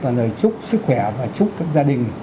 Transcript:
và lời chúc sức khỏe